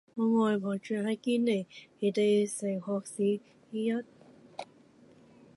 我外婆住喺堅尼地城學士臺